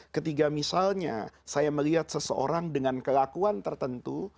ketiga misalnya saya melihat seseorang dengan kelakuan tertentu